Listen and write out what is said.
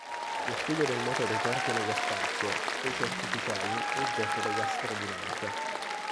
Lo studio del moto dei corpi nello spazio, specie artificiali, è oggetto dell'astrodinamica.